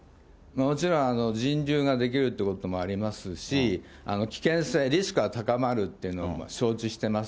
もちろん人流が出来るってこともありますし、危険性、リスクは高まるというのは承知してます。